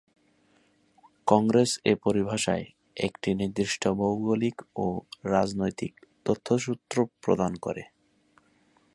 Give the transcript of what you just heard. কংগ্রেস এ পরিভাষায় একটি নির্দিষ্ট ভৌগোলিক ও রাজনৈতিক তথ্যসূত্র প্রদান করে।